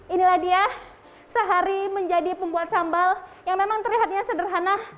inilah dia sehari menjadi pembuat sambal yang memang terlihatnya sederhana